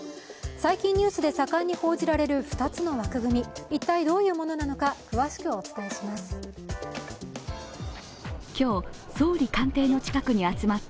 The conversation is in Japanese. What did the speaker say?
最近ニュースで盛んに報じられる２つの枠組み一体どういうものなのか詳しくお伝えします。